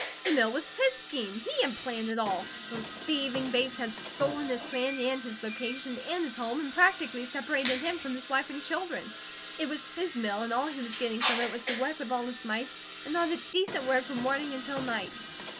The mill was his scheme. He had planned it all. Those thieving Bates had stolen his plan, and his location, and his home, and practically separated him from his wife and children. It was his mill, and all he was getting from it was to work with all his might, and not a decent word from morning until night.